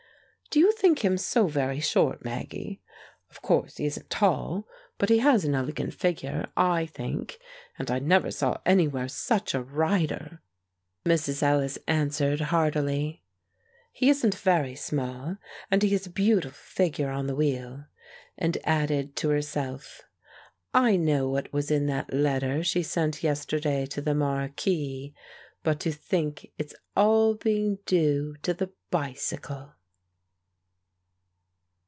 Do you think him so very short, Maggie? Of course he isn't tall, but he has an elegant figure, I think, and I never saw anywhere such a rider!" Mrs. Ellis answered, heartily, "He isn't very small, and he is a beautiful figure on the wheel!" And added to herself, "I know what was in that letter she sent yesterday to the marquis! But to think of its all being due to the bicycle!"